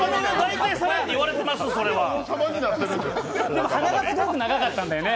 でも、鼻がすごく長かったんだよね。